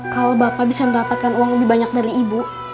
kalau bapak bisa mendapatkan uang lebih banyak dari ibu